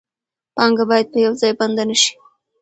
پانګه باید په یو ځای بنده نشي.